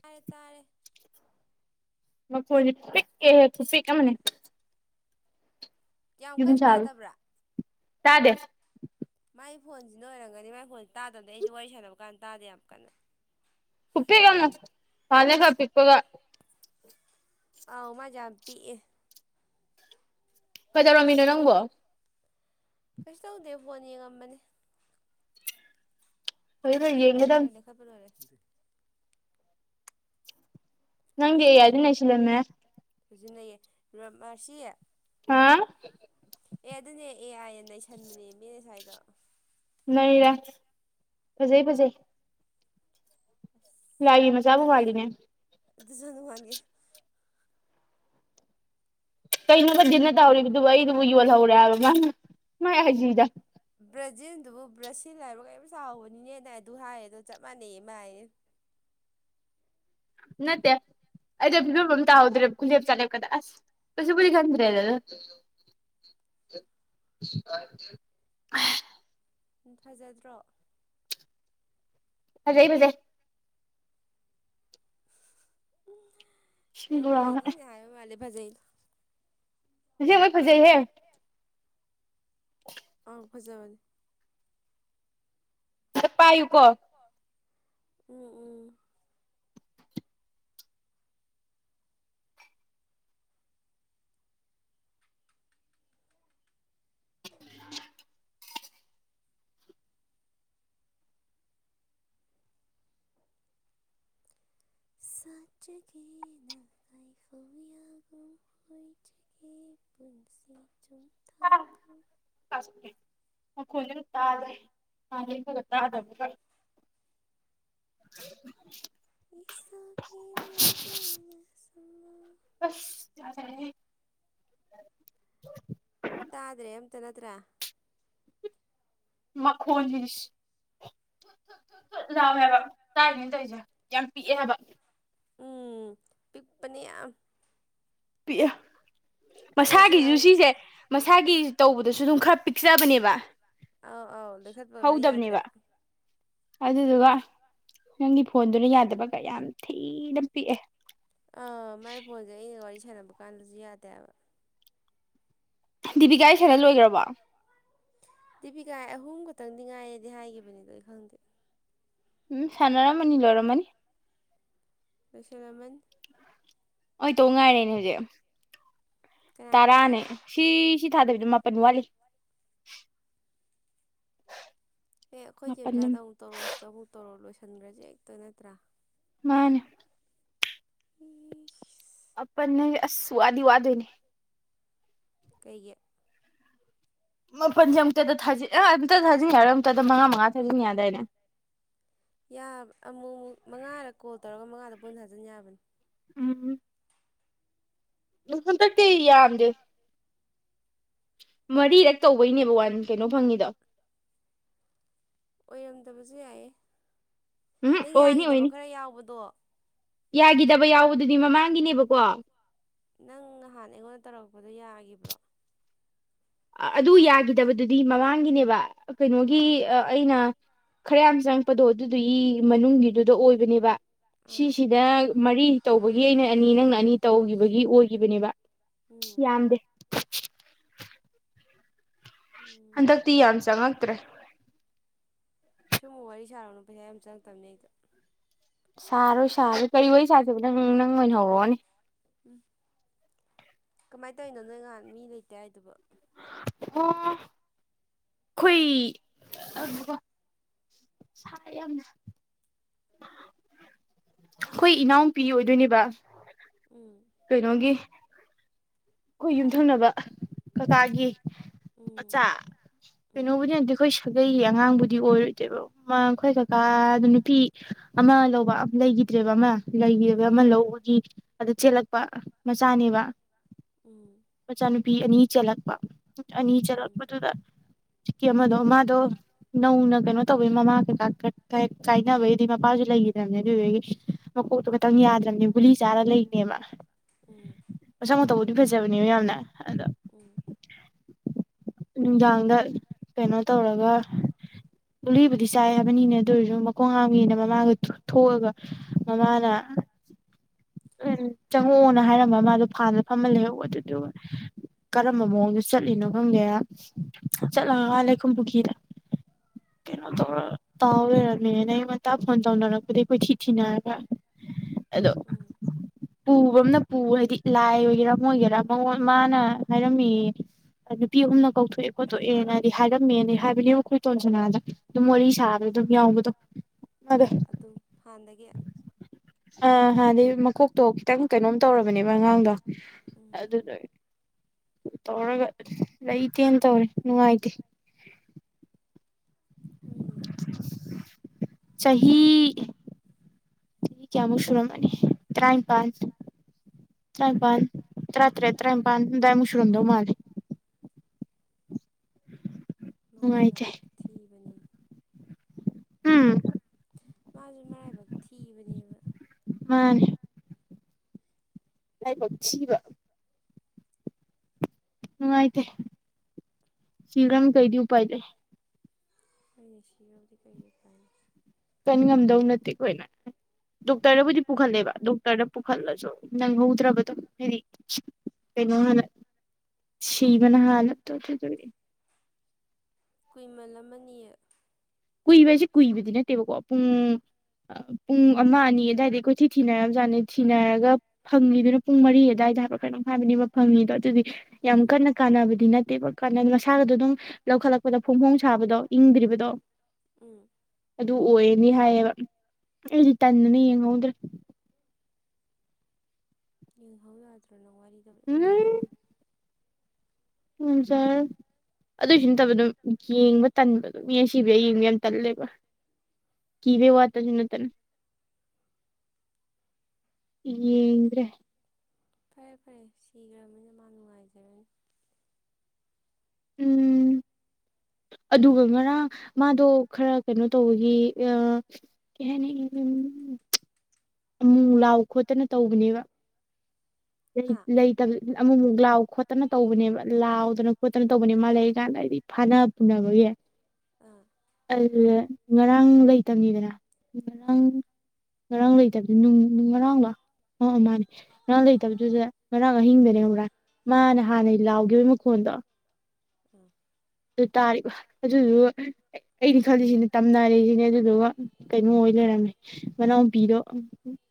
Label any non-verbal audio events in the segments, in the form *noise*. ꯇꯥꯔꯦ ꯇꯥꯔꯦ ꯃ ꯐ ꯐꯤꯦꯦ ꯐꯨ ꯐꯤ ꯀ ꯑꯃꯅꯤꯅꯦ ꯀꯌꯥꯝ ꯀꯟ ꯇꯥꯗꯦ ꯇꯥꯗꯕ꯭ꯔꯥꯥꯏ ꯐꯣꯟꯁꯤꯅ ꯑꯣꯏꯔꯝꯒꯅꯤ ꯃꯥꯏ ꯐꯣꯟꯁꯤꯦ ꯇꯥꯗꯕꯅꯤ ꯑꯩꯁꯨꯦ ꯋꯥꯔꯤ ꯁꯥꯟꯅꯕ ꯀꯥꯟꯗ ꯇꯥꯗꯦ ꯌꯥꯝ ꯀꯟꯅ ꯎꯄꯤꯤꯒꯃ ꯐꯅꯦꯦꯒ ꯄꯤꯄꯒ ꯑꯥꯎ ꯃꯥ ꯌꯥꯕꯤꯤꯛꯑ ꯐꯖꯥꯔꯣꯝꯃꯤꯅꯣ ꯅꯪꯕꯣ ꯀꯁ ꯇ ꯎꯗꯦ ꯄꯣꯅꯤ ꯀꯝꯝꯕꯅꯤ ꯍꯧꯖꯤꯛ ꯈꯔ ꯌꯦꯡꯒꯗꯕꯅꯤ ꯌꯥꯗ꯭ꯔꯦꯅꯦ ꯈꯕꯔ ꯑꯣꯏꯔꯦ ꯅꯪꯒ ꯌꯥꯗ ꯅ ꯍꯥꯏꯁꯤꯂꯃꯦ ꯁꯤꯖꯤꯟꯅꯩꯌꯦ ꯃꯁꯤꯌꯦ ꯍꯥꯥ ꯑꯦ ꯑꯗꯨꯅꯦ ꯑꯦ ꯑꯥꯏꯌꯦ ꯅꯩꯁꯟꯕꯅꯦ ꯃꯤꯅ ꯁ꯭ꯋꯥꯏꯗ ꯅ ꯔ ꯐꯖꯩ ꯐꯖꯩ ꯂꯏ ꯃꯖꯥꯕ ꯃꯥꯅꯦ ꯑꯗꯨꯁꯨ ꯅꯨꯡꯉꯥꯏꯉꯦ ꯀꯩꯅꯣ ꯈꯗꯤꯟꯅ ꯇꯧꯔꯤꯕꯗꯨꯕꯨ ꯑꯩꯗꯨꯕꯨ ꯌꯣꯜꯍꯧꯔꯦ ꯍꯥꯏꯕ ꯃꯥꯅ ꯃꯥꯥꯏ ꯍꯥꯏꯁꯤꯗ ꯕ꯭ꯔꯥꯖꯤꯜꯗꯨꯕꯨ ꯕ꯭ꯔꯥꯖꯤꯜ ꯍꯥꯏꯔ ꯀꯔꯤꯝ ꯆꯥꯎꯕꯅꯤꯅꯦꯅ ꯑꯩ ꯑꯗꯨ ꯍꯥꯏꯌꯦ ꯑꯗꯣ ꯆꯞ ꯃꯥꯟꯅꯩꯌꯦ ꯃꯥꯌꯦ ꯅ ꯇ ꯑꯗꯦ ꯕꯤꯕꯝꯝꯇ ꯍꯥꯎꯗ꯭ꯔꯦ ꯀꯨꯟꯗꯦꯞ ꯆꯥ ꯀꯗ ꯑꯁ ꯀꯁꯤ ꯄꯨꯨꯔꯤꯒꯟ꯭ꯔꯦ ꯑꯗꯨ *unintelligible* ꯐꯖꯗ꯭ꯔꯣ ꯑꯗꯩꯕꯗꯦ ꯌꯥꯝ ꯍꯥꯏꯅꯤ ꯌꯥ ꯃꯥꯂꯦ ꯐꯖꯩ ꯖꯤ ꯃꯣꯏ ꯐꯖꯩꯍꯦ ꯑ ꯐꯖꯕꯅꯤꯦ ꯆ ꯄꯥꯏꯨꯀꯣ ꯎꯝ ꯎꯝ *unintelligible* ꯆꯒ ꯅꯪꯥꯏ ꯀꯕꯤ ꯌꯥꯒꯣꯏ ꯄꯨꯟꯁꯤ ꯆꯨꯝ ꯑꯦ ꯀꯣ ꯇꯥꯖ ꯐ ꯇꯥꯗ ꯏꯁꯥꯕꯤ ꯅꯪꯒꯤꯅ ꯁꯃꯥ ꯑꯁ ꯇꯥꯗ꯭ꯔꯦ ꯑꯝꯇ ꯅꯠꯇ꯭ꯔꯥ ꯃꯈꯣꯟ ꯁ ꯠꯠ ꯊꯠ ꯂꯥꯎꯋꯦꯕ ꯇꯥꯔꯤꯅꯦꯅ ꯇꯧꯔꯤꯁꯦ ꯌꯥꯝ ꯄꯤꯛꯑꯦ ꯍꯥꯏꯕ ꯎꯝ ꯄꯤꯛꯄꯅꯦ ꯑꯩ ꯑꯁꯤ ꯃꯁꯥꯒꯤ ꯖꯨꯁꯤꯁꯦ ꯃꯁꯥꯒꯤ ꯇꯧꯕꯗꯁꯨ ꯑꯗꯨꯝ ꯈꯔ ꯄꯤꯛꯆꯕꯅꯦꯕ ꯑꯥꯎ ꯑꯥꯎ ꯂꯈꯠꯄ ꯈꯔ ꯌꯥꯗ꯭ꯔꯦ ꯍꯧꯗꯕꯅꯦꯕ ꯑꯗꯨꯗꯨꯒ ꯅꯪꯒꯤ ꯐꯣꯟꯗꯨꯅ ꯌꯥꯗꯕ ꯀ ꯌꯥꯝ ꯊꯤꯅ ꯄꯤꯛꯑꯦ ꯈꯦꯅꯕ ꯀꯥꯟꯗꯁꯨ ꯌꯥꯗꯦꯕ ꯗꯤꯕꯤꯀꯥꯒꯤ ꯁꯥꯏꯅ ꯂꯣꯏꯈ꯭ꯔꯔꯕ ꯗꯦꯕꯤꯀꯥꯏ ꯑꯍꯨꯝ ꯈꯛꯇꯪꯗꯤ ꯉꯥꯏꯔꯗꯤ ꯍꯥꯏꯈꯤꯕꯅꯤꯗꯣ ꯑꯩ ꯈꯪꯗꯦ ꯎꯝ ꯁꯅꯔꯥꯃꯅꯤ ꯂꯣꯔꯃꯅꯤ ꯄꯁꯣꯔꯃꯟ ꯍ ꯇꯣ ꯉꯥꯏꯔꯦꯅꯦ ꯍꯧꯖꯤꯛ ꯀꯅꯥ ꯈꯛꯇ ꯇꯔꯥꯅꯦ ꯁꯤ ꯁꯤ ꯊꯥꯗꯕꯤꯗ ꯃꯥꯄꯜ ꯋꯥꯠꯂꯤ ꯑꯦ ꯑꯩꯈꯣꯏ ꯆ ꯃꯥꯄꯟ ꯃꯆꯥꯗ ꯑꯃꯨꯛ ꯇꯧꯔꯛꯁꯤꯗ ꯑꯃꯨꯛ ꯇꯧꯔꯛ ꯂꯣꯏꯁꯤꯟꯈ꯭ꯔꯁꯦ ꯍꯦꯛꯇꯣꯏ ꯅꯠꯇ꯭ꯔꯥ ꯃꯥꯅꯦ ꯎꯝ ꯑꯅꯦ ꯑꯁꯁꯨꯋꯥꯗꯤ ꯋꯥꯗꯣꯏꯅꯦ ꯀꯩ ꯃꯥꯄꯜꯁꯦ ꯑꯨꯛꯇꯗ ꯊꯥꯖꯤ ꯑ ꯑꯝꯇ ꯊꯥꯖꯤꯟ ꯌꯥꯔ ꯑꯝꯛꯇꯗ ꯃꯉꯥ ꯃꯉꯥ ꯊꯥꯖꯤꯟ ꯌꯥꯗꯥꯏꯅꯦ ꯑꯃꯨꯛ ꯃꯉꯥꯗ ꯀꯣꯜ ꯇꯧꯔꯒ ꯃꯉꯥꯗ ꯄꯨꯟꯅ ꯍꯥꯖꯤꯟ ꯌꯥꯕꯅꯤ ꯎꯝ ꯍ ꯇ ꯀ ꯌꯥꯝꯗ ꯃꯔꯤꯔꯛ ꯇꯧꯕꯩꯅꯦꯕ ꯋꯥꯟ ꯀꯩꯅꯣ ꯐꯪꯉꯤꯗ ꯑꯣꯏꯔꯝꯗꯕꯁꯨ ꯌꯥꯏꯌꯦ ꯎꯝ ꯅꯪ ꯑꯣꯏꯅꯤ ꯌꯥꯈꯤꯗꯕ ꯑꯣꯏꯅꯤ ꯈꯔ ꯌꯥꯎꯕꯗꯣ ꯌꯥꯒꯤꯗꯕ ꯌꯥꯎꯕꯗꯨꯗꯤ ꯃꯃꯥꯡꯒꯤꯅꯦꯕꯀꯣ ꯅꯪ ꯅꯍꯥꯟ ꯑꯩꯉꯣꯟꯗ ꯇꯧꯔꯛꯄꯗꯣ ꯌꯥꯈꯤꯕ꯭ꯔꯣ ꯑꯗꯨ ꯌꯥꯒꯤꯗꯕꯗꯨꯗꯤ ꯃꯃꯥꯡꯒꯤꯅꯦꯕ ꯀꯩꯅꯣꯒꯤ ꯑꯥ ꯑꯩꯅ ꯈꯔ ꯌꯥꯝ ꯆꯪꯉꯛꯄꯗꯣ ꯑꯗꯨꯗꯨꯒꯤ ꯃꯅꯨꯡꯒꯤꯗꯨꯗ ꯑꯣꯏꯕꯅꯦꯕ ꯑꯥ ꯁꯤꯁꯤꯗ ꯃꯔꯤ ꯇꯧꯕꯒꯤ ꯑꯩꯅ ꯑꯅꯤ ꯅꯪꯅ ꯑꯅꯤ ꯇꯧꯈꯤꯕꯒꯤ ꯑꯣꯏꯒꯤꯈꯤꯕꯅꯦꯕ ꯎꯝ ꯌꯥꯝꯗꯦ ꯎꯝ ꯍꯟꯗꯛꯇꯤ ꯌꯥꯝ ꯆꯉꯛꯇ꯭ꯔꯦ ꯁꯨꯝꯨ ꯋꯥꯔꯤ ꯁꯥꯔꯛꯅꯨ ꯄꯩꯁꯥ ꯌꯥꯝ ꯆꯪꯉꯛꯇꯕꯅꯦ ꯑꯩꯗꯣ ꯁꯥꯔꯣꯏ ꯁꯥꯔꯣꯏ ꯀꯔꯤ ꯋꯥꯔꯤ ꯁꯥꯗꯕ ꯅꯪ ꯅꯪ ꯑꯣꯏꯅ ꯍꯧꯔꯛꯑꯣꯅꯦ ꯎꯝ ꯀꯃꯥꯏꯅ ꯇꯧꯔꯤꯅꯣ ꯅꯣꯏ ꯅꯍꯥꯟ ꯃꯤ ꯂꯩꯇ ꯍꯥꯏꯗꯨꯕ ꯑꯣ ꯑꯩꯈꯣꯏ ꯁꯥ ꯌꯥꯝꯅ ꯑꯩꯈꯣꯏ ꯏꯅꯥꯎꯄꯤ ꯑꯣꯏꯗꯣꯏꯅꯦꯕ ꯎꯝ ꯀꯣꯏꯩꯅꯒꯤ ꯑꯩꯈꯣꯏ ꯌꯨꯝꯊꯪꯅꯕ ꯀꯀꯥꯒꯤ ꯎꯝ ꯃꯆꯥ ꯎꯝ ꯀꯩꯅꯣꯕꯨꯗꯤꯅꯗꯤ ꯑꯩꯈꯣꯏ ꯁꯥꯒꯩꯌꯦ ꯑꯉꯥꯡꯕꯨꯗꯤ ꯑꯣꯏꯔꯣꯏꯗ꯭ꯔꯦꯕ ꯑꯩꯈꯣꯏ ꯀꯀꯥꯗ ꯅꯨꯄꯤ ꯑꯃ ꯂꯧꯕ ꯑ ꯂꯩꯈꯤꯗ꯭ꯔꯦꯕ ꯑꯃ ꯂꯩꯒꯕ ꯑꯃ ꯎꯝ ꯂꯧꯕꯒꯤ ꯑꯗꯨ ꯆꯦꯜꯂꯛꯄ ꯃꯆꯥꯅꯦꯕ ꯎꯝ ꯇꯄꯤ ꯑꯅꯤ ꯆꯦꯜꯂꯛꯄ ꯑꯅꯤ ꯎꯝ ꯆꯦꯜꯂꯛꯄꯗꯨꯗ ꯇꯀꯤ ꯑꯃꯗꯣ ꯑꯗꯣ ꯅꯧꯅ ꯀꯩꯅꯣ ꯇꯧꯕꯋꯤ ꯃꯃꯥ ꯀꯩꯀꯥ ꯀꯔ ꯊꯥꯏ ꯀꯥꯏꯅꯕꯒꯤꯗꯤ ꯃꯄꯥꯁꯨ ꯂꯩꯈꯤꯗ꯭ꯔꯕꯅꯦ ꯑꯗꯨꯗꯒꯤ ꯃꯀꯣꯛꯇꯣ ꯈꯤꯇꯪ ꯌꯥꯗ꯭ꯔꯕꯅꯦ ꯒꯨꯂꯤ ꯆꯥꯔ ꯂꯩꯅꯦꯕ ꯎꯝ ꯑꯁ ꯃ ꯇꯕꯨ ꯐꯖꯕꯅꯦ ꯌꯥꯝꯅ ꯑꯗꯣ ꯎꯝ ꯅꯨꯡꯗꯥꯡꯗ ꯀꯩꯅꯣ ꯇꯧꯔꯒ ꯂꯨꯂꯤꯕꯨꯗꯤ ꯆꯥꯏ ꯍꯥꯏꯕꯅꯤꯅꯦ ꯑꯗꯨ ꯑꯣꯏꯔꯁꯨ ꯃꯈꯣꯡ ꯍꯥꯥꯡꯝꯉꯦꯅ ꯃꯃꯥꯒ ꯊꯣꯛꯑꯒ ꯃꯃꯥꯅ ꯎꯝ ꯆꯪꯉꯛꯑꯣꯅ ꯍꯥꯏꯔꯝꯕ ꯃꯥꯗꯣ ꯐꯥꯟꯗ ꯐꯝꯃ ꯂꯩꯍꯧꯑꯣ ꯑꯗꯨꯗꯨꯒ ꯀꯔꯝꯕ ꯃꯑꯣꯡꯗ ꯆꯠꯂꯤꯅꯣ ꯈꯪꯗꯦꯔ ꯆꯠꯂꯀ ꯂꯩꯈꯨꯝ ꯄꯨꯈ꯭ꯔꯤꯗ ꯀꯩꯅꯣ ꯇꯧ ꯇꯥꯎ ꯂꯣꯏꯔꯃꯤꯅ ꯅ ꯑꯩꯣꯟꯇꯥ ꯐꯣꯟ ꯇꯧꯅꯔꯛꯄꯗꯤ ꯑꯩꯈꯣꯏ ꯊꯤ ꯊꯤꯅꯔꯒ꯭ꯔ ꯑꯗꯣ ꯎꯝ ꯄꯨꯕ ꯑꯃꯅ ꯄꯨ ꯍꯥꯏꯗꯤ ꯂꯥꯏ ꯑꯣꯏꯒꯦꯔꯥ ꯑꯃ ꯑꯣꯏꯒꯦꯔꯥ ꯃꯥꯅ ꯍꯥꯏꯔꯝꯃꯤ ꯅꯨꯄꯤ ꯑꯍꯨꯝꯅ ꯀꯧꯊꯣꯛꯑꯦ ꯈꯣꯠꯇꯣꯛꯑꯦꯅꯗꯤ ꯍꯥꯏꯔꯝꯃꯦꯅ ꯍꯥꯏꯕꯅꯤꯈꯣꯏꯇꯣꯟ ꯁꯅꯥꯗ ꯑꯗꯨꯝ ꯋꯥꯔꯤ ꯁꯥꯕ ꯑꯗꯨꯝ ꯌꯥꯎꯕꯗꯣ ꯑꯗꯦ ꯍꯗꯒꯤ ꯑ ꯍꯗꯤ ꯃ ꯈꯤꯇꯪ ꯀꯩꯅꯣꯝ ꯇꯧꯔꯕꯅꯦꯕ ꯑꯉꯥꯡꯗꯣ ꯎꯝ ꯑꯗꯨ ꯇꯧꯔꯒ ꯂꯩꯇꯦꯅ ꯇꯧꯔꯦ ꯅꯨꯡꯉꯥꯏꯇꯦ ꯍꯣꯏꯅꯦ ꯆꯍꯤ ꯊ ꯀꯦꯃꯣ ꯁꯅꯣ ꯃꯅꯤ ꯇ꯭ꯔꯥꯏ ꯄ ꯇ꯭ꯔꯥꯏ ꯄꯥꯟ ꯔꯇ꯭ꯔꯦ ꯇ꯭ꯔꯥꯏ ꯄꯥꯟꯗꯥꯏ ꯃꯁꯔꯟꯗ ꯃꯥꯔꯤ ꯅꯨꯡꯉꯥꯏꯇꯦ ꯃꯥꯖꯨꯔ ꯊꯤꯕ ꯎꯝ ꯃꯥꯁꯨ ꯃꯔꯥꯏꯕꯛ ꯊꯤꯕꯅꯦꯕ ꯑꯥ *unintelligible* *inaudible* ꯇꯥꯏ ꯄꯆꯤꯕ ꯎ ꯃꯥꯥꯏꯇꯦ ꯁꯤꯤꯔꯝ ꯀꯩꯗꯤꯎ ꯄꯥꯏ ꯂꯩ ꯍꯅꯤꯁꯤꯗꯤ ꯀ ꯐꯥꯏ ꯀꯟ ꯉꯝꯗꯧ ꯅꯠꯇꯦ ꯑꯩꯈꯣꯏꯅ ꯗꯣꯛꯇꯔꯅꯕꯨꯗꯤ ꯄꯨꯈꯠꯂꯦꯕ ꯗꯣꯛꯇꯔꯗ ꯄꯨꯈꯠꯂꯁꯨ ꯅꯪꯍꯧꯗ꯭ꯔꯕꯗꯣ ꯍꯥꯏꯗꯤ ꯀꯩꯅꯣ ꯍ ꯁꯤ ꯃꯅ ꯍꯥꯂ ꯇ ꯆꯖꯔꯤ ꯀꯨꯏꯃꯜ ꯑꯃꯅꯤ ꯀꯨꯏꯕ ꯍꯥꯏꯁꯦ ꯀꯨꯏꯕꯗꯤ ꯅꯠꯇꯦꯕꯀꯣ ꯄꯨꯡ ꯄꯨꯡ ꯑꯃ ꯑꯅꯤ ꯑꯗꯨꯋꯥꯏꯗ ꯑꯩꯈꯣꯏ ꯊꯤ ꯊꯤꯅꯔꯕꯖꯥꯠꯅꯦ ꯊꯤꯅꯔꯒ ꯐꯪꯉꯤꯗꯨꯅ ꯄꯨꯡ ꯃꯔꯤ ꯑꯗꯨꯋꯥꯏꯗ ꯍꯥꯏ ꯈꯔ ꯍꯥꯏꯕꯅꯤꯕ ꯐꯪꯉꯤꯗꯣ ꯑꯗꯨꯗꯤ ꯌꯥꯝ ꯎꯝ ꯀꯟꯅ ꯀꯥꯟꯅꯕꯗꯤ ꯅꯠꯇꯦꯕ ꯏꯁꯥꯒꯗ ꯑꯗꯨꯝ ꯂꯧꯈꯠꯂꯛꯄꯗ ꯐꯣꯡ ꯐꯣꯡ ꯁꯥꯕꯗꯣ ꯏꯪꯗ꯭ꯔꯤꯕꯗꯣ ꯎꯝ *unintelligible* *inaudible* ꯑꯗꯨ ꯑꯣꯏꯅꯤ ꯍꯥꯏꯌꯦꯕ ꯑꯩꯗꯤ ꯇꯟꯅꯗꯅ ꯌꯦꯡꯍꯧꯗ꯭ꯔꯦ ꯌꯦꯡꯍꯧ ꯌꯥꯗ꯭ꯔꯅ ꯋꯥꯔꯤꯗ ꯄꯨ ꯂꯤꯅꯕ ꯎꯖꯔ ꯑꯗꯨꯏꯁꯨ ꯅꯠꯇꯕ ꯑꯗꯨꯝ ꯌꯦꯡꯕ ꯇꯟꯕ ꯑꯗꯨꯝ ꯃꯤꯅ ꯁꯤꯕꯤꯔ ꯌꯦꯡꯕ ꯌꯥꯝ ꯇꯜꯂꯦꯕ ꯀꯚ ꯋꯥ ꯇꯁꯨꯅꯠꯇꯅ ꯌꯦꯡꯗꯔ꯭ꯦ ꯐꯔꯦ ꯐꯔꯦ ꯁꯤꯈ꯭ꯔꯕꯅꯤꯅ ꯃꯥ ꯅꯨꯡꯉꯥꯏꯖꯔꯅꯤ ꯎꯝ ꯑꯗꯨꯒ ꯉꯔꯥꯡ ꯃꯥꯗꯣ ꯈꯔ ꯀꯩꯅꯣ ꯇꯧꯕꯒꯤ ꯀꯩ ꯍꯥꯏꯅꯤ ꯑꯃꯨ ꯂꯥꯎ ꯈꯣꯠꯇꯅ ꯇꯧꯕꯅꯦꯕ ꯍꯥ ꯂꯩꯇ ꯑꯃꯨꯛꯃꯨꯛ ꯂꯥꯛꯑꯣꯣꯠ ꯈꯠꯇꯅ ꯇꯧꯕꯅꯦꯕ ꯂꯥꯎꯗꯅ ꯈꯣꯠꯇꯅ ꯇꯧꯕꯅꯦ ꯃꯥ ꯂꯩꯔꯤ ꯀꯥꯟꯗ ꯍꯥꯏꯗꯤ ꯐꯥꯅ ꯐꯨꯅꯕꯒꯤ ꯑꯥ ꯑ ꯉꯔꯥꯡ ꯂꯩꯇꯕꯅꯤꯗꯅ ꯉꯔꯥꯡ ꯑꯥ ꯉꯔꯥꯡ ꯂꯩꯇꯕꯗꯤ ꯉꯔꯥꯡꯗꯣ ꯃꯥ ꯃꯥꯅꯦ ꯉꯔꯥꯡ ꯐꯠꯇꯕꯗꯨꯗ ꯉꯔꯥꯡ ꯑꯍꯤꯡꯗꯅꯦ ꯍꯧꯔꯥ ꯃꯥꯅ ꯑꯥ ꯍꯥꯟꯅ ꯂꯥꯎꯈꯤꯕꯒꯤ ꯃꯈꯣꯟꯗꯣ ꯑꯥ ꯑꯗꯨ ꯇꯥꯔꯤꯕ ꯑꯗꯨꯗꯨ ꯑꯩꯅ ꯈꯜꯂꯤꯁꯤꯅꯦ ꯇꯝꯅꯔꯦꯁꯤꯅꯦ ꯑꯗꯨꯗꯨꯒ ꯀꯩꯅꯣ ꯂꯩꯔꯝꯃꯦ ꯃꯅꯥꯎꯄꯤꯗꯣ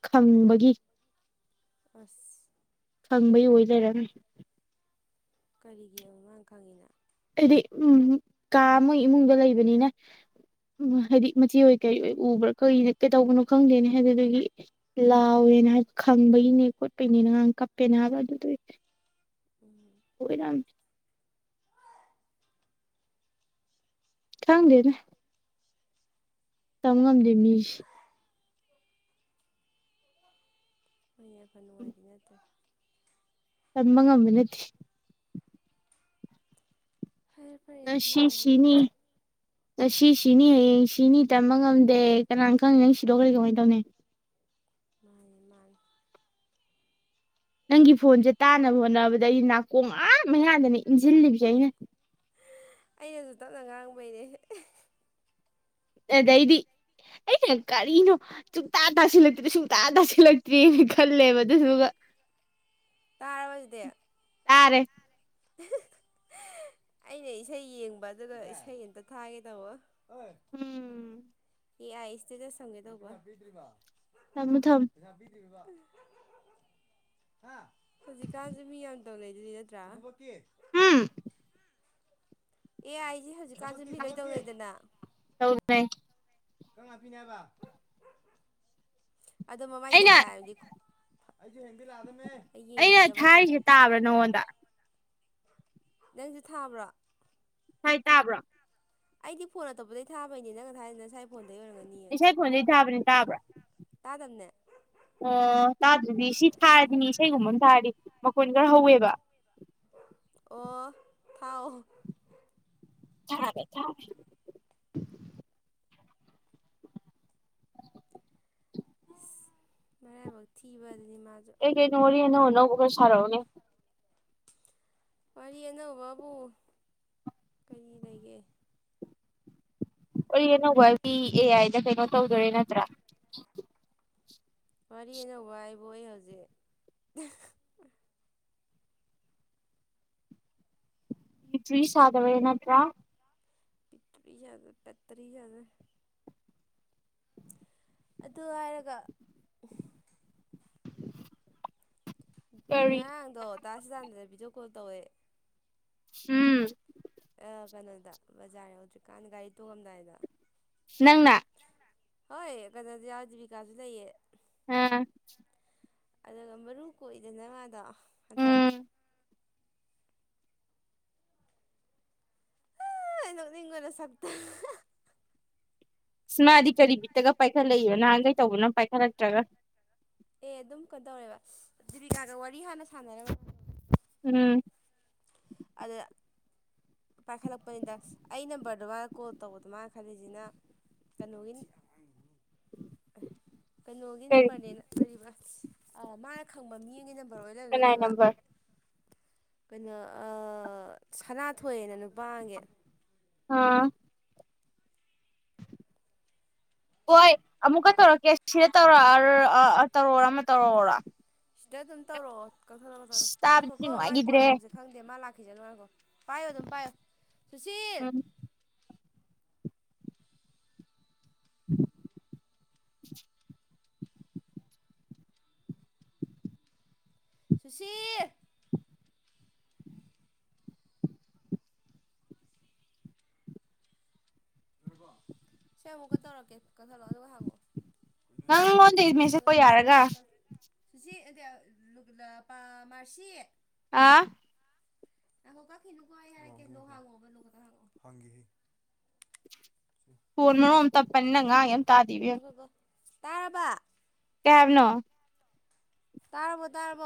ꯈꯪꯕꯒꯤ ꯑꯁ *inaudible* ꯈꯪꯕꯩ ꯑꯣꯏꯖꯔꯅꯤ ꯀꯔꯤꯒꯤ ꯑꯉꯥꯡ ꯈꯪꯉꯤꯅ ꯍꯥꯏꯗꯤ ꯎꯝ ꯀꯥ ꯃꯣꯏ ꯏꯃꯨꯡꯗ ꯂꯩꯕꯅꯤꯅ ꯎꯝ ꯍꯥꯏꯗꯤ ꯃꯆꯤ ꯑꯣꯏꯣꯏ ꯀꯩ ꯎꯕ꯭ꯔꯥ ꯀꯩ ꯀꯩ ꯇꯧꯕꯅꯣ ꯈꯪꯗꯦꯅꯦ ꯍꯥꯏꯗꯤ ꯑꯗꯨꯒꯤ ꯂꯥꯎ *inaudible* ꯦꯅ ꯍꯥꯏꯕ ꯈꯪꯕꯒꯤꯅꯦ ꯈꯣꯠꯄꯩꯅꯦ ꯑꯉꯥꯡ ꯀꯞꯄꯦꯅ ꯍꯥꯏꯕ ꯑꯗꯨꯗꯨ ꯎꯝ ꯑꯣꯏꯣꯏ ꯔ *inaudible* ꯆꯥꯡꯒꯂꯤꯅꯦ ꯇꯃꯝ ꯅꯤꯁ ꯍꯄ ꯅꯨꯡꯉꯔꯤꯅꯠꯇꯣ ꯇꯃꯉꯥ ꯃꯤꯅꯠ ꯐꯔꯦ ꯐꯔꯦ ꯅꯁꯤꯁꯤꯅꯤ ꯃꯥꯅꯤ ꯅꯁꯤ ꯁꯤꯅꯤ ꯍꯌꯦꯡ ꯁꯤꯅꯤ ꯇꯝꯕ ꯉꯝꯗꯦ ꯀꯅꯥꯅ ꯈꯪꯉꯦ ꯅꯪ ꯁꯤꯗꯣ ꯀꯔꯤ ꯀꯃꯥꯏꯅ ꯇꯧꯅꯤ ꯃꯥꯥꯏ ꯃꯥꯥꯏ ꯅꯪꯒꯤ ꯐꯣꯟꯁꯦ ꯇꯥꯅꯕ ꯍꯣꯠꯅꯕꯗ ꯑꯩ ꯅꯥꯀꯣꯡ ꯉ ꯃꯩꯍꯥꯟꯗꯅ ꯏꯟꯁꯤꯜꯂꯤꯕꯁꯦ ꯑꯩꯅ ꯑꯩꯅꯁꯨ ꯇꯞꯅ ꯉꯥꯡꯕꯩꯅꯦ ꯑꯗꯩꯗꯤ ꯑꯩꯅ ꯀꯔꯤꯅꯣ ꯁꯨꯡꯇꯥ ꯇꯥꯁꯤꯜꯂꯛꯇ꯭ꯔꯦ ꯁꯨꯡꯇꯥ ꯇꯥꯁꯤꯜꯂꯛꯇ꯭ꯔꯦꯅ ꯈꯜꯂꯦꯕ ꯑꯗꯨꯁꯨꯒ *inaudible* ꯇꯥꯔꯥꯕꯖꯇ ꯇꯔꯦ ꯑꯩꯅ ꯏꯁꯩ ꯌꯦꯡꯕ ꯑꯗꯨꯗ ꯏꯁꯩ ꯑꯃꯝꯇ ꯊꯥꯒꯦ ꯇꯧꯕ ꯎꯝ ꯑꯁꯇ ꯆꯁꯝꯒꯦ ꯇꯧꯕ ꯊꯝꯃꯨ ꯊꯝꯃꯨ ꯍꯧꯖꯤꯛꯀꯥꯟꯁꯦ ꯃꯤ ꯌꯥꯝ ꯇꯧꯅꯗꯨꯗꯤ ꯅꯠꯇ꯭ꯔꯥ ꯎꯝ ꯑꯦ ꯑꯩꯁꯦ ꯍꯧꯖꯤꯛꯀꯥꯟꯁꯨ ꯄꯤꯂꯣꯏ ꯇꯧꯅꯗꯅ ꯥꯏ ꯕ ꯑꯗꯣ ꯃꯃꯥꯏ ꯑꯩꯅ ꯇꯪꯈꯥꯏ ꯍꯥꯏꯕꯗꯤ ꯑꯩꯁꯨꯦ ꯍꯤꯟꯦꯟꯗꯤ ꯂꯥꯗꯃꯦ ꯑꯩꯅ ꯊꯥꯏꯔꯤꯁꯦ ꯇꯥꯕ꯭ꯔꯥ ꯅꯉꯣꯟꯗ ꯅꯪꯁ ꯊꯥꯕ꯭ꯔꯥ ꯁꯥꯏ ꯇꯥꯕ꯭ꯔꯣ ꯑꯩꯗꯤ ꯐꯣꯟ ꯑꯇꯣꯄꯗꯗꯒꯤ ꯊꯥꯕꯩꯅꯦ ꯅꯪ ꯉ ꯍꯥꯏꯅ ꯉꯁꯥꯏ ꯐꯣꯟꯗꯩ ꯑꯣꯏꯔꯝꯒꯅꯤꯌꯦ ꯏꯁꯩ ꯈꯣꯟꯖꯩ ꯊꯥꯕꯅꯤ ꯇꯥꯕ꯭ꯔꯥ ꯇꯥꯗꯕꯅꯦ ꯑꯣ ꯇꯥ ꯑꯗꯨꯗꯤ ꯁꯤ ꯊꯥꯔꯗꯤꯅꯤ ꯏꯁꯩꯒꯨꯝꯕꯅ ꯊꯥꯔꯤ ꯃꯈꯨꯟ ꯈꯔ ꯍꯧꯋꯦꯕ ꯑꯣ ꯊꯥꯎꯥꯎ ꯊꯔꯔꯦ ꯊꯔꯔꯦ ꯃꯕ ꯊꯤꯕ ꯑꯗꯨꯅꯤ ꯃꯥꯁꯨ ꯑꯦ ꯀꯩꯅ ꯋꯥꯔꯤ ꯑꯅꯧ ꯑꯅ ꯁꯥꯔꯛꯎꯅꯦ ꯋꯥꯔꯤ ꯑꯅꯧꯕꯕꯨ ꯀꯔꯤ ꯂꯩꯒꯦ ꯑꯣ ꯑꯅꯧꯕ ꯕꯤ ꯑꯦ ꯑꯥꯏꯗ ꯀꯩꯅꯣ ꯇꯧꯗꯣꯔꯦ ꯅꯠꯇ꯭ꯔꯥ ꯋꯥꯔꯤꯅ ꯋꯥꯏꯕ ꯑꯩ ꯍꯧꯖꯤꯛ ꯇꯔꯤꯁꯗꯕ ꯌꯦꯅꯠꯇꯥ ꯄꯤ ꯇꯕꯤ ꯌꯥꯒ ꯄꯠꯇꯔꯤ ꯌꯥꯒ ꯑꯗꯨ ꯍꯥꯏꯔꯒ ꯀꯔꯤ ꯉꯔꯥꯡꯗꯣ ꯇꯥꯁꯤ ꯇꯥꯟꯗꯗ ꯚꯤꯗꯤꯑꯣ ꯀꯣꯜ ꯇꯧꯋꯦ ꯎꯝ ꯑ ꯀꯩꯅꯣꯗ ꯕꯖꯥꯔ ꯍꯧꯖꯤꯛꯀꯥꯟ ꯒꯥꯔꯤ ꯇꯣꯡꯉꯝꯗꯥꯏꯗ ꯅꯪꯅ ꯍꯣꯏ ꯀꯗꯥꯗꯤ ꯌꯥꯎ ꯖꯤꯕꯤꯀꯥꯁꯨ ꯂꯩꯌꯦ ꯎꯝ ꯑꯗꯨꯒ ꯃꯔꯨ ꯀꯣꯛꯏꯗꯅ ꯃꯥꯥꯗꯣ ꯍꯟꯇ ꯎꯝ ꯉꯟꯅ ꯁꯞꯇ ꯏꯁꯃꯗꯤ ꯀꯔꯤꯕꯤꯠꯇꯒ ꯄꯥꯏꯈꯠꯂꯛꯏꯕ ꯅꯍꯥꯟꯒꯩ ꯇꯧꯕꯅꯣ ꯄꯥꯏꯈꯠꯂꯛꯇ꯭ꯔꯒ ꯑꯦ ꯑꯗꯨꯝ ꯀꯩꯅꯣ ꯇꯧꯔꯦꯕ ꯗꯤꯕꯤꯀꯥꯒ ꯋꯥꯔꯤ ꯍꯥꯟꯅ ꯁꯥꯟꯅꯅꯕ ꯎꯝ ꯑꯗ ꯄꯥꯏꯈꯠꯂꯛꯄꯅꯤꯗ ꯑꯩ ꯅꯝꯕꯔꯗꯨ ꯃꯥꯅ ꯀꯣꯜ ꯇꯧꯕꯗ ꯃꯥꯅ ꯈꯜꯂꯤꯁꯤꯅ ꯀꯩꯅꯣꯤꯟ ꯑꯦ ꯀꯩꯅꯣꯒꯤ ꯀꯩ ꯅꯝꯕꯔꯅꯦꯅ ꯂꯩꯔꯤꯕ ꯃꯥꯅ ꯈꯪꯕ ꯃꯤꯡꯒꯤ ꯅꯝꯕꯔ ꯑꯣꯏ ꯀꯅꯥꯥꯏ ꯂꯩꯔꯝꯗꯣꯏꯅꯦꯕ ꯅꯝꯕꯔ ꯀꯩꯅꯣ ꯁꯅꯥ ꯊꯣꯛꯣꯏꯑꯦꯅ ꯅꯨꯄꯥꯒꯤ ꯑꯥ ꯍꯣꯏ ꯑꯃꯨꯛꯀ ꯇꯧꯔꯛꯀꯦ ꯁꯤꯗ ꯇꯧꯔꯛꯑ ꯇꯧꯔꯔ ꯑꯃ ꯇꯧꯔꯛꯔ ꯁꯤꯗ ꯑꯗꯨꯝ ꯇꯧꯔꯛꯑꯣ ꯀꯛꯊꯠꯂꯣ ꯀꯛꯊꯠꯂꯣ ꯉꯥꯏꯈꯣ ꯇꯥꯕꯗꯤ ꯀꯣ ꯃꯥꯏ ꯐꯣꯟ ꯅꯨꯡꯉꯥꯏꯈꯤꯗ꯭ꯔꯦ ꯂꯣꯛꯁꯦ ꯈꯪꯗꯦ ꯃꯥ ꯂꯥꯛꯈꯤꯁꯦ ꯅꯨꯡꯉꯥꯏꯈꯣ ꯄꯣ ꯑꯗꯨꯝ ꯄꯣ ꯁꯨꯁꯤꯜ ꯎꯝ *unintelligible* ꯁꯨꯁꯤꯜ ꯁꯤ ꯑꯃꯨꯛꯀꯊꯧꯔꯛꯀꯦ ꯀꯊꯂꯛꯑꯣ ꯑꯗꯨꯒ ꯍꯪꯉꯑꯣ ꯅꯪꯉꯣꯟꯗ ꯏꯃꯦꯁꯦ ꯀꯣ ꯌꯥꯔꯒ ꯁꯨꯁꯤ ꯃꯥꯁꯤ ꯑꯥ *unintelligible* ꯐꯣꯟ ꯃꯔꯣ ꯑꯃ ꯇꯞꯄꯅꯤꯅ ꯀꯛꯊꯠꯂꯒꯦ ꯉꯥꯩ ꯌꯥꯝ ꯇꯥꯗꯕ ꯉꯥꯏꯈꯣꯀꯣ ꯇꯥꯔꯕ ꯊꯅꯣ ꯇꯥꯔꯔꯕꯣ ꯇꯥꯔꯕꯣ